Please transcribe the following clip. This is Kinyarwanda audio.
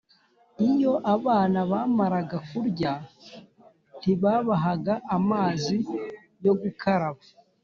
Iyo abana bamaraga kurya ntibabahaga amazi yo gukaraba;